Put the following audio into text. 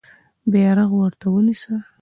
بیرغ ورته ونیسه.